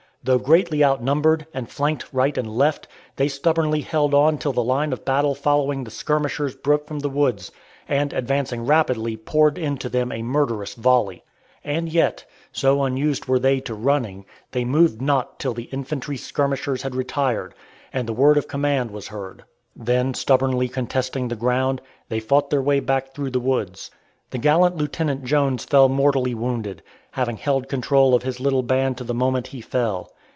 Though greatly outnumbered, and flanked right and left, they stubbornly held on till the line of battle following the skirmishers broke from the woods, and advancing rapidly poured into them a murderous volley. And yet, so unused were they to running, they moved not till the infantry skirmishers had retired, and the word of command was heard. Then stubbornly contesting the ground, they fought their way back through the woods. The gallant Lieutenant Jones fell mortally wounded, having held control of his little band to the moment he fell.